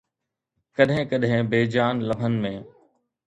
ڪڏهن ڪڏهن بي جان لمحن ۾